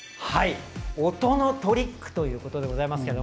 音のトリックということですが。